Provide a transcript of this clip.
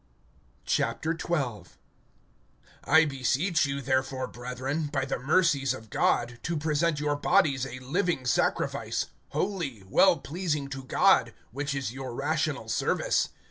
XII. I BESEECH you, therefore, brethren, by the mercies of God, to present your bodies a living sacrifice, holy, well pleasing to God, which is your rational service.